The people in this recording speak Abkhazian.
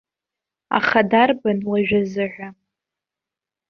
Аха дарбан, уажәазыҳәа.